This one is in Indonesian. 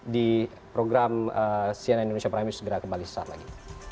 di program sian indonesia pramil segera kembali sesaat lagi